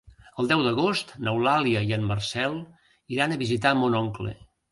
El deu d'agost n'Eulàlia i en Marcel iran a visitar mon oncle.